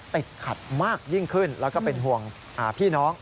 ติดขัดมากยิ่งขึ้นแล้วก็เป็นห่วงพี่น้อง